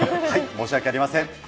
申し訳ありません。